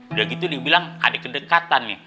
udah gitu dia bilang ada kedekatan nih